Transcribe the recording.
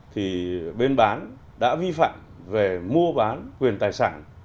thì bên bán đã vi phạm về mua bán quyền tài sản